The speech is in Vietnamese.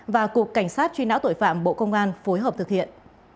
và cục cảnh sát truy nã tội phạm bộ công an phối hợp thực hiện